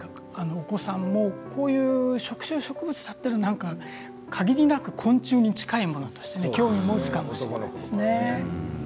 お子さんもこういう食虫植物だったら限りなく昆虫に近いものとして興味を持つかもしれませんね。